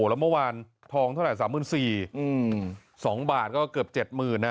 แล้วเมื่อวานทองเท่าไรสามหมื่นสี่อืมสองบาทก็เกิบเจ็ดมืนน่ะ